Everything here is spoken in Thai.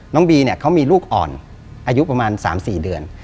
บีเนี่ยเขามีลูกอ่อนอายุประมาณ๓๔เดือน